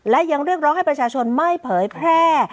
และยังเรียกร้องให้ประชาชนไม่เผยแพร่